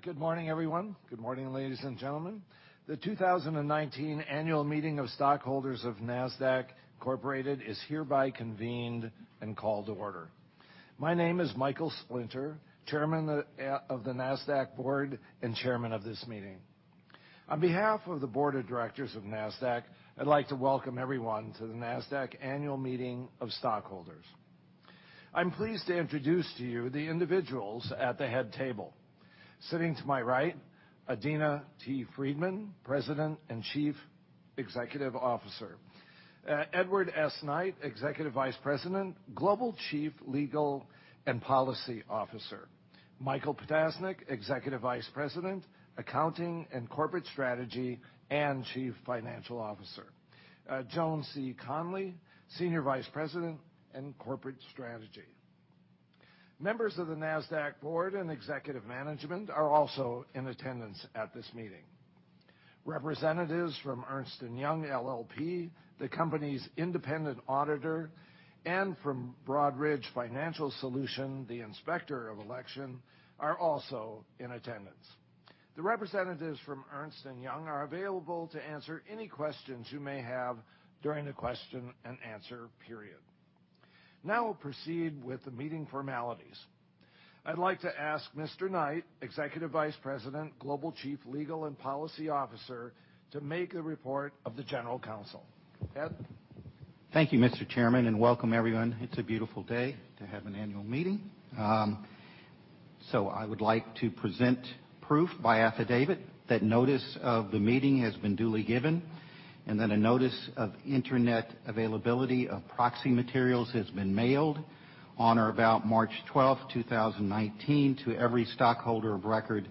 Good morning, everyone. Good morning, ladies and gentlemen. The 2019 annual meeting of stockholders of Nasdaq, Inc. is hereby convened and called to order. My name is Michael Splinter, chairman of the Nasdaq Board and chairman of this meeting. On behalf of the board of directors of Nasdaq, I'd like to welcome everyone to the Nasdaq annual meeting of stockholders. I'm pleased to introduce to you the individuals at the head table. Sitting to my right, Adena T. Friedman, President and Chief Executive Officer. Edward S. Knight, Executive Vice President, Global Chief Legal and Policy Officer. Michael Ptasznik, Executive Vice President, Accounting and Corporate Strategy, and Chief Financial Officer. Joan C. Conley, Senior Vice President and Corporate Strategy. Members of the Nasdaq board and executive management are also in attendance at this meeting. Representatives from Ernst & Young LLP, the company's independent auditor, and from Broadridge Financial Solutions, the inspector of election, are also in attendance. The representatives from Ernst & Young are available to answer any questions you may have during the question and answer period. We'll proceed with the meeting formalities. I'd like to ask Mr. Knight, Executive Vice President, Global Chief Legal and Policy Officer, to make a report of the general counsel. Ed? Thank you, Mr. Chairman, and welcome everyone. It's a beautiful day to have an annual meeting. I would like to present proof by affidavit that notice of the meeting has been duly given, and that a notice of internet availability of proxy materials has been mailed on or about March 12th, 2019, to every stockholder of record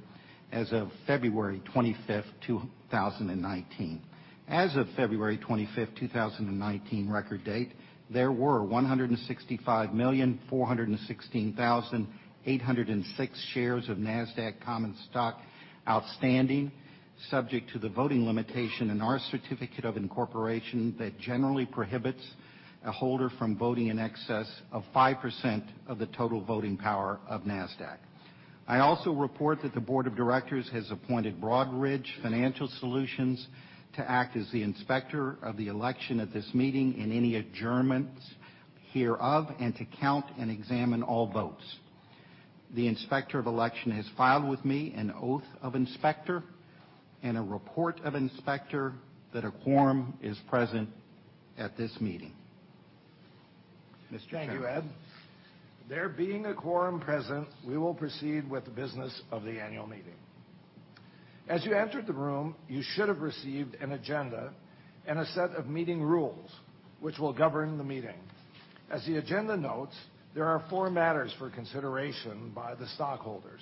as of February 25th, 2019. As of February 25th, 2019, record date, there were 165,416,806 shares of Nasdaq common stock outstanding, subject to the voting limitation in our certificate of incorporation that generally prohibits a holder from voting in excess of 5% of the total voting power of Nasdaq. I also report that the board of directors has appointed Broadridge Financial Solutions to act as the inspector of the election at this meeting in any adjournments hereof, and to count and examine all votes. The inspector of election has filed with me an oath of inspector and a report of inspector that a quorum is present at this meeting. Mr. Chairman. Thank you, Ed. There being a quorum present, we will proceed with the business of the annual meeting. As you entered the room, you should have received an agenda and a set of meeting rules which will govern the meeting. As the agenda notes, there are four matters for consideration by the stockholders.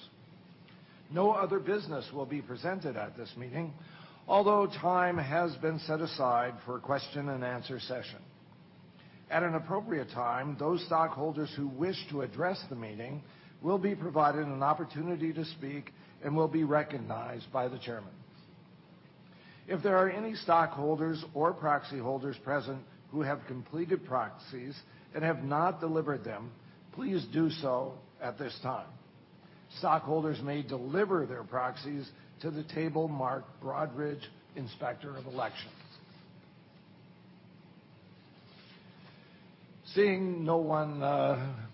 No other business will be presented at this meeting, although time has been set aside for a question and answer session. At an appropriate time, those stockholders who wish to address the meeting will be provided an opportunity to speak and will be recognized by the chairman. If there are any stockholders or proxy holders present who have completed proxies and have not delivered them, please do so at this time. Stockholders may deliver their proxies to the table marked Broadridge Inspector of Elections. Seeing no one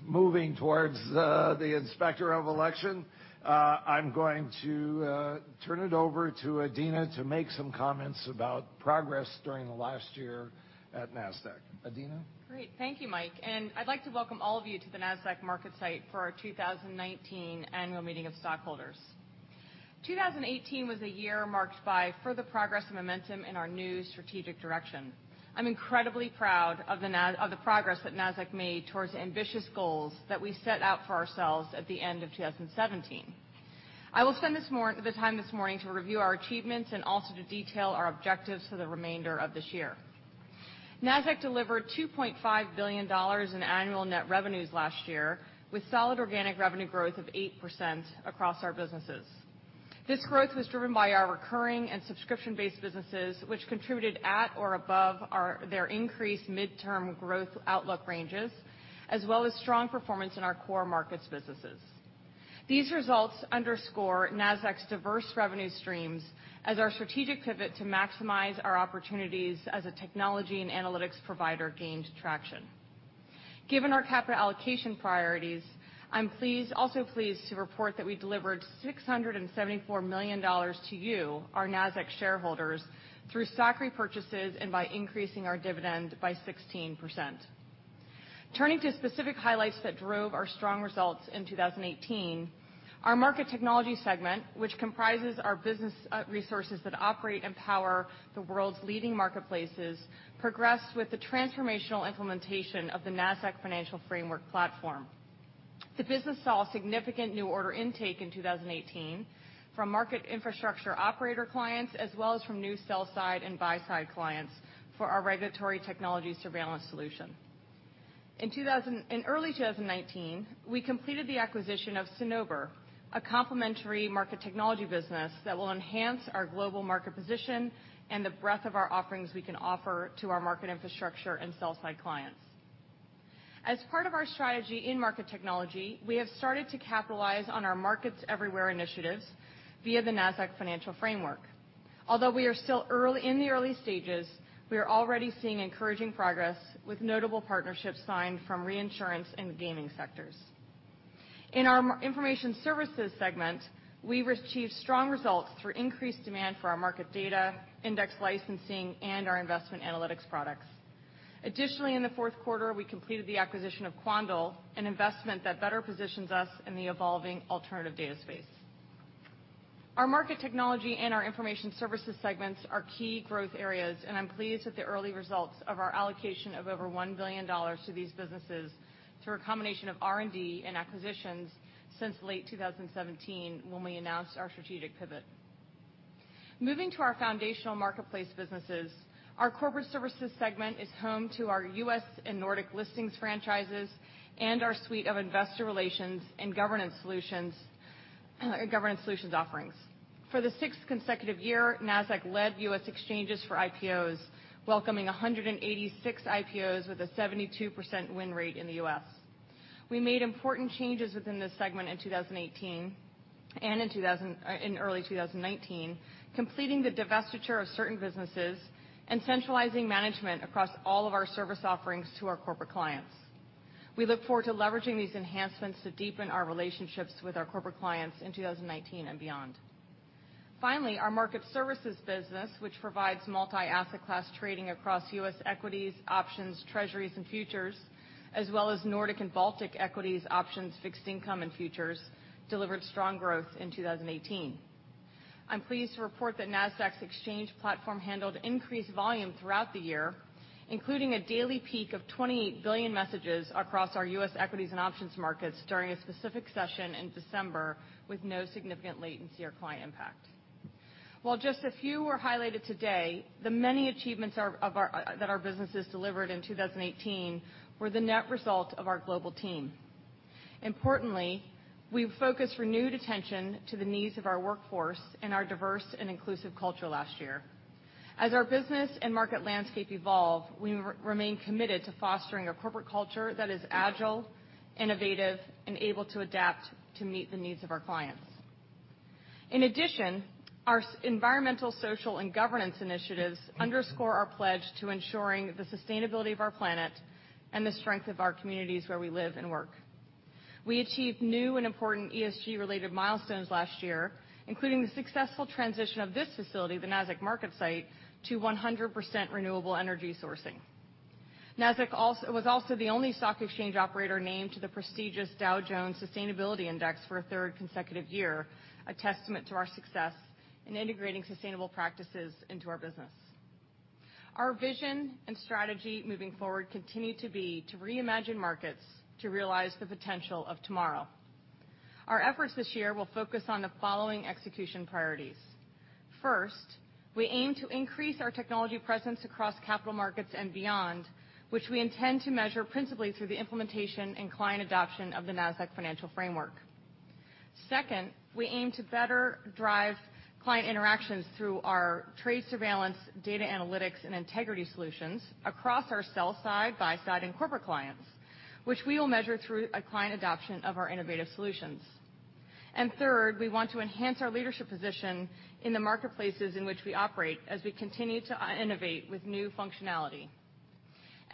moving towards the Inspector of Elections, I'm going to turn it over to Adena to make some comments about progress during the last year at Nasdaq. Adena? Great. Thank you, Mike. I'd like to welcome all of you to the Nasdaq MarketSite for our 2019 annual meeting of stockholders. 2018 was a year marked by further progress and momentum in our new strategic direction. I'm incredibly proud of the progress that Nasdaq made towards the ambitious goals that we set out for ourselves at the end of 2017. I will spend the time this morning to review our achievements and also to detail our objectives for the remainder of this year. Nasdaq delivered $2.5 billion in annual net revenues last year with solid organic revenue growth of 8% across our businesses. This growth was driven by our recurring and subscription-based businesses, which contributed at or above their increased midterm growth outlook ranges, as well as strong performance in our core markets businesses. These results underscore Nasdaq's diverse revenue streams as our strategic pivot to maximize our opportunities as a technology and analytics provider gained traction. Given our capital allocation priorities, I'm also pleased to report that we delivered $674 million to you, our Nasdaq shareholders, through stock repurchases and by increasing our dividend by 16%. Turning to specific highlights that drove our strong results in 2018, our Market Technology segment, which comprises our business resources that operate and power the world's leading marketplaces, progressed with the transformational implementation of the Nasdaq Financial Framework platform. The business saw significant new order intake in 2018 from market infrastructure operator clients, as well as from new sell side and buy side clients for our regulatory technology surveillance solution. In early 2019, we completed the acquisition of Cinnober, a complementary market technology business that will enhance our global market position and the breadth of our offerings we can offer to our market infrastructure and sell side clients. As part of our strategy in market technology, we have started to capitalize on our markets everywhere initiatives via the Nasdaq Financial Framework. Although we are still in the early stages, we are already seeing encouraging progress with notable partnerships signed from reinsurance and the gaming sectors. In our information services segment, we received strong results through increased demand for our market data, index licensing, and our investment analytics products. Additionally, in the fourth quarter, we completed the acquisition of Quandl, an investment that better positions us in the evolving alternative data space. Our market technology and our information services segments are key growth areas. I'm pleased with the early results of our allocation of over $1 billion to these businesses through a combination of R&D and acquisitions since late 2017, when we announced our strategic pivot. Moving to our foundational marketplace businesses, our corporate services segment is home to our U.S. and Nordic listings franchises and our suite of investor relations and governance solutions offerings. For the sixth consecutive year, Nasdaq led U.S. exchanges for IPOs, welcoming 186 IPOs with a 72% win rate in the U.S. We made important changes within this segment in 2018 and in early 2019, completing the divestiture of certain businesses and centralizing management across all of our service offerings to our corporate clients. We look forward to leveraging these enhancements to deepen our relationships with our corporate clients in 2019 and beyond. Finally, our market services business, which provides multi-asset class trading across U.S. equities, options, treasuries, and futures, as well as Nordic and Baltic equities, options, fixed income, and futures, delivered strong growth in 2018. I'm pleased to report that Nasdaq's exchange platform handled increased volume throughout the year, including a daily peak of 20 billion messages across our U.S. equities and options markets during a specific session in December with no significant latency or client impact. While just a few were highlighted today, the many achievements that our businesses delivered in 2018 were the net result of our global team. Importantly, we've focused renewed attention to the needs of our workforce and our diverse and inclusive culture last year. As our business and market landscape evolve, we remain committed to fostering a corporate culture that is agile, innovative, and able to adapt to meet the needs of our clients. Our environmental, social, and governance initiatives underscore our pledge to ensuring the sustainability of our planet and the strength of our communities where we live and work. We achieved new and important ESG-related milestones last year, including the successful transition of this facility, the Nasdaq Market site, to 100% renewable energy sourcing. Nasdaq was also the only stock exchange operator named to the prestigious Dow Jones Sustainability Index for a third consecutive year, a testament to our success in integrating sustainable practices into our business. Our vision and strategy moving forward continue to be to reimagine markets to realize the potential of tomorrow. Our efforts this year will focus on the following execution priorities. First, we aim to increase our technology presence across capital markets and beyond, which we intend to measure principally through the implementation and client adoption of the Nasdaq Financial Framework. Second, we aim to better drive client interactions through our trade surveillance, data analytics, and integrity solutions across our sell side, buy side, and corporate clients, which we will measure through a client adoption of our innovative solutions. Third, we want to enhance our leadership position in the marketplaces in which we operate as we continue to innovate with new functionality.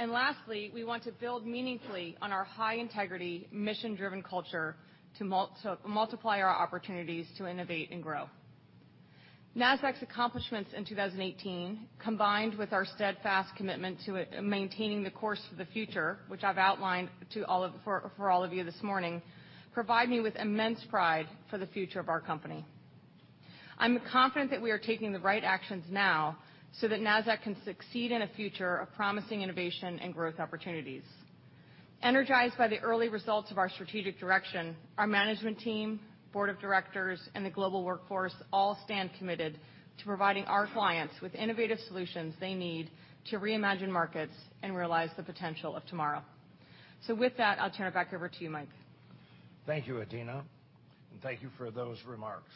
Lastly, we want to build meaningfully on our high-integrity, mission-driven culture to multiply our opportunities to innovate and grow. Nasdaq's accomplishments in 2018, combined with our steadfast commitment to maintaining the course for the future, which I've outlined for all of you this morning, provide me with immense pride for the future of our company. I'm confident that we are taking the right actions now so that Nasdaq can succeed in a future of promising innovation and growth opportunities. Energized by the early results of our strategic direction, our management team, board of directors, and the global workforce all stand committed to providing our clients with innovative solutions they need to reimagine markets and realize the potential of tomorrow. With that, I'll turn it back over to you, Mike. Thank you, Adena, and thank you for those remarks.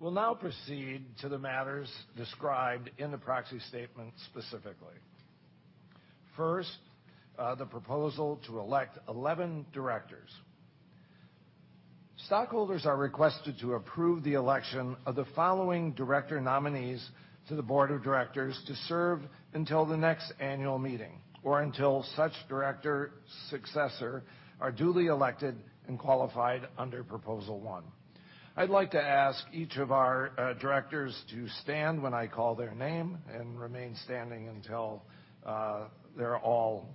We'll now proceed to the matters described in the proxy statement specifically. First, the proposal to elect 11 directors. Stockholders are requested to approve the election of the following director nominees to the board of directors to serve until the next annual meeting or until such director successor are duly elected and qualified under proposal one. I'd like to ask each of our directors to stand when I call their name and remain standing until they're all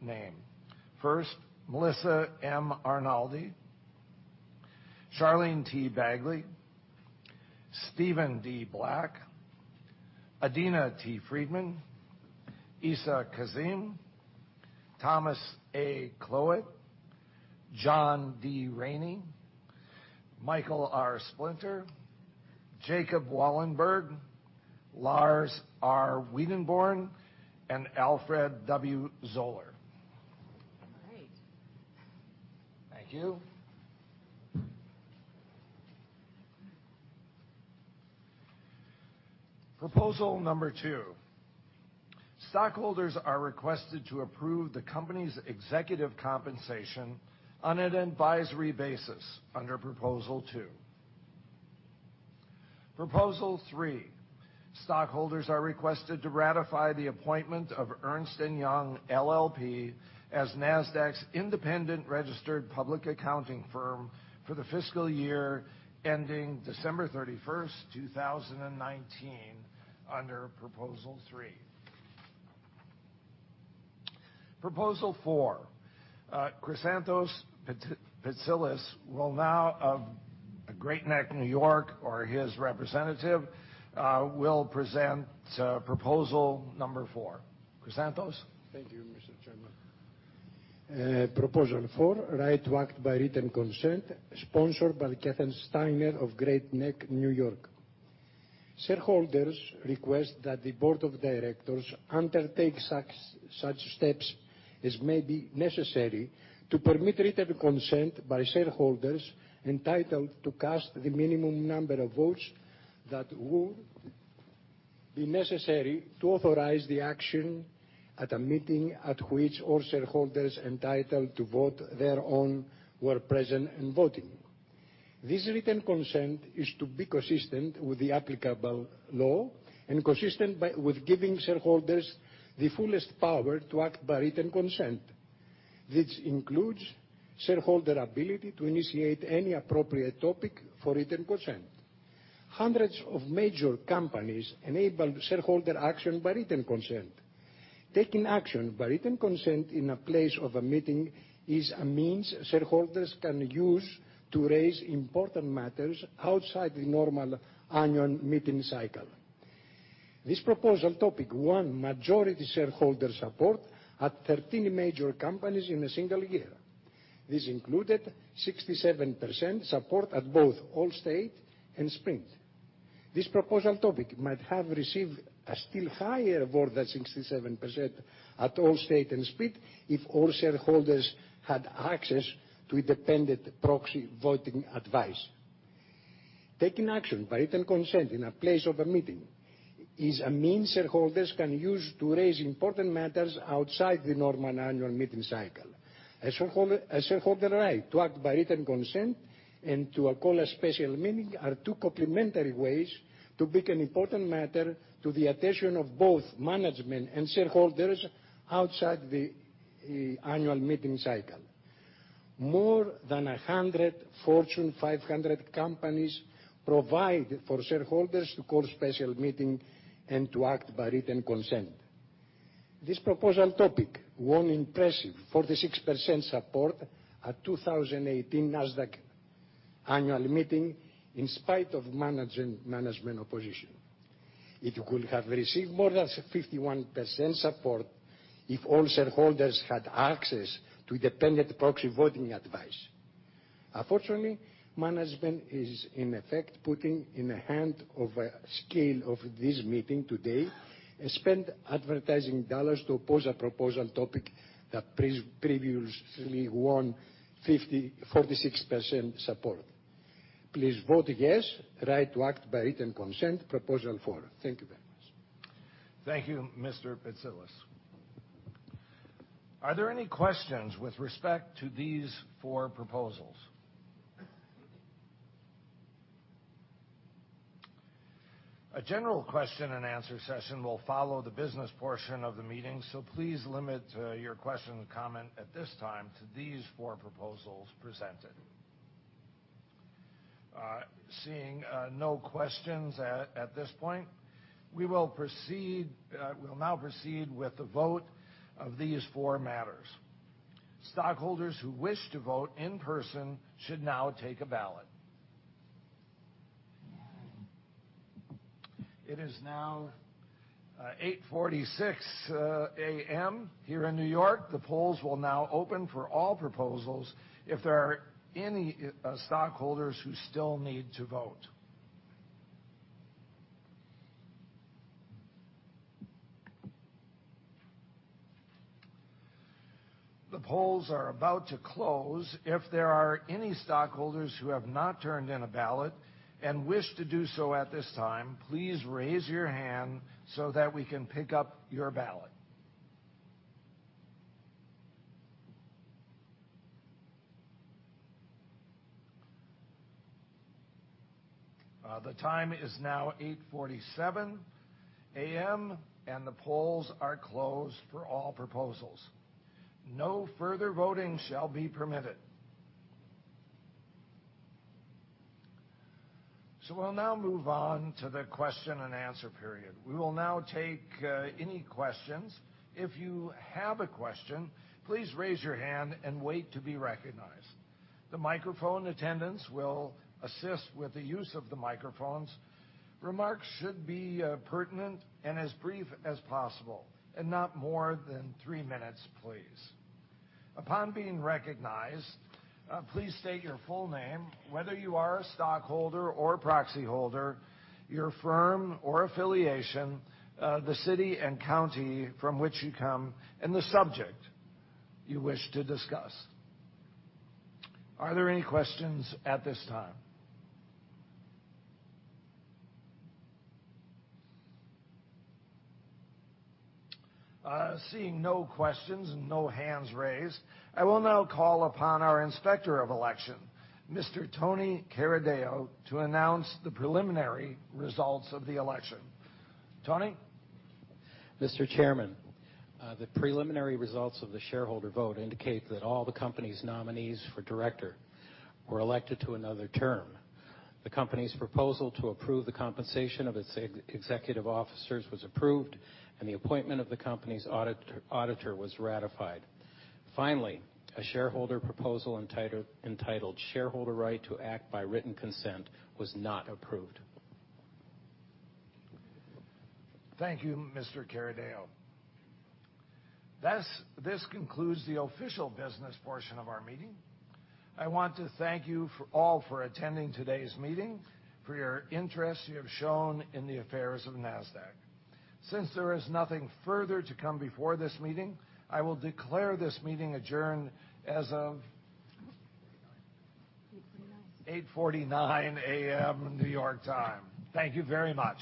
named. First, Melissa M. Arnoldi, Charlene T. Begley, Steven D. Black, Adena T. Friedman, Essa Kazim, Thomas A. Kloet, John D. Rainey, Michael Splinter, Jacob Wallenberg, Lars R. Wedenborn, and Alfred W. Zollar. All right. Thank you. Proposal number two. Stockholders are requested to approve the company's executive compensation on an advisory basis under Proposal two. Proposal three, stockholders are requested to ratify the appointment of Ernst & Young LLP as Nasdaq's independent registered public accounting firm for the fiscal year ending December 31st, 2019, under Proposal three. Proposal four. Chrysanthos Patsalos of Great Neck, N.Y., or his representative, will present proposal number four. Chrysanthos? Thank you, Mr. Chairman. Proposal four, right to act by written consent, sponsored by Kenneth Steiner of Great Neck, N.Y. Shareholders request that the board of directors undertake such steps as may be necessary to permit written consent by shareholders entitled to cast the minimum number of votes that would be necessary to authorize the action at a meeting at which all shareholders entitled to vote thereon were present and voting. This written consent is to be consistent with the applicable law and consistent with giving shareholders the fullest power to act by written consent. This includes shareholder ability to initiate any appropriate topic for written consent. Hundreds of major companies enable shareholder action by written consent. Taking action by written consent in place of a meeting is a means shareholders can use to raise important matters outside the normal annual meeting cycle. This proposal topic won majority shareholder support at 13 major companies in a single year. This included 67% support at both Allstate and Sprint. This proposal topic might have received a still higher vote than 67% at Allstate and Sprint if all shareholders had access to independent proxy voting advice. Taking action by written consent in place of a meeting is a means shareholders can use to raise important matters outside the normal annual meeting cycle. A shareholder right to act by written consent and to call a special meeting are two complementary ways to bring an important matter to the attention of both management and shareholders outside the annual meeting cycle. More than 100 Fortune 500 companies provide for shareholders to call special meeting and to act by written consent. This proposal topic won impressive 46% support at the 2018 Nasdaq annual meeting in spite of management opposition. It could have received more than 51% support if all shareholders had access to independent proxy voting advice. Unfortunately, management is in effect putting in the hand of a scale of this meeting today and spend advertising dollars to oppose a proposal topic that previously won 46% support. Please vote yes, right to act by written consent, proposal four. Thank you very much. Thank you, Mr. Patsalos. Are there any questions with respect to these four proposals? A general question and answer session will follow the business portion of the meeting. Please limit your question and comment at this time to these four proposals presented. Seeing no questions at this point, we will now proceed with the vote of these four matters. Stockholders who wish to vote in person should now take a ballot. It is now 8:46 A.M. here in New York. The polls will now open for all proposals if there are any stockholders who still need to vote. The polls are about to close. If there are any stockholders who have not turned in a ballot and wish to do so at this time, please raise your hand so that we can pick up your ballot. The time is now 8:47 A.M., and the polls are closed for all proposals. No further voting shall be permitted. We'll now move on to the question and answer period. We will now take any questions. If you have a question, please raise your hand and wait to be recognized. The microphone attendants will assist with the use of the microphones. Remarks should be pertinent and as brief as possible, and not more than three minutes, please. Upon being recognized, please state your full name, whether you are a stockholder or proxy holder, your firm or affiliation, the city and county from which you come, and the subject you wish to discuss. Are there any questions at this time? Seeing no questions and no hands raised, I will now call upon our Inspector of Election, Mr. Tony Carideo, to announce the preliminary results of the election. Tony? Mr. Chairman, the preliminary results of the shareholder vote indicate that all the company's nominees for director were elected to another term. The company's proposal to approve the compensation of its executive officers was approved, and the appointment of the company's auditor was ratified. Finally, a shareholder proposal entitled Shareholder Right to Act by Written Consent was not approved. Thank you, Mr. Carideo. This concludes the official business portion of our meeting. I want to thank you all for attending today's meeting, for your interest you have shown in the affairs of Nasdaq. Since there is nothing further to come before this meeting, I will declare this meeting adjourned. 8:49. 8:49 A.M. New York time. Thank you very much.